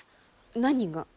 何が？